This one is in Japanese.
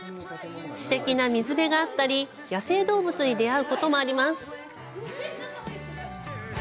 すてきな水辺があったり野生動物に出会うこともあります。